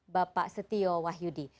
bapak setio wahyudi